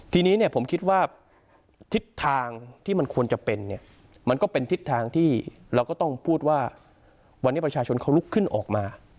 ทีนี้เนี่ยผมคิดว่าทิศทางที่มันควรจะเป็นเนี่ยมันก็เป็นทิศทางที่เราก็ต้องพูดว่าวันนี้ประชาชนเขาลุกขึ้นออกมา